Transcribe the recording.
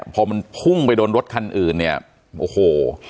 พอมันพุ่งไปโดนรถคันอื่นเนี่ยโอ้โห